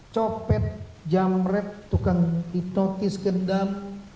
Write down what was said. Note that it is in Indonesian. copet jamret tukang hipnotis gendam